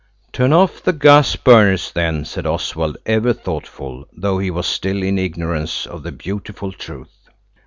"Turn off the gas burners then," said Oswald, ever thoughtful, though he was still in ignorance of the beautiful truth.